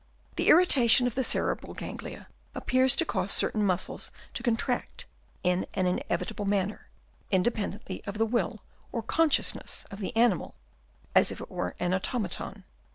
The irritation of the cerebral ganglia appears to cause certain muscles to contract in an inevitable manner, independently of the will 24 HABITS OF WOEMS. Chap. I. or consciousness of the animal, as if it were an automaton.